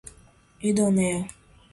idônea